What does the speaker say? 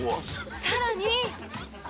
さらに。